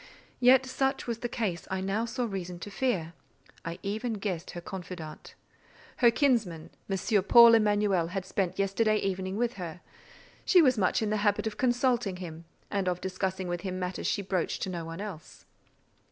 Yet, that such was the case I now saw reason to fear; I even guessed her confidant. Her kinsman, M. Paul Emanuel, had spent yesterday evening with her: she was much in the habit of consulting him, and of discussing with him matters she broached to no one else.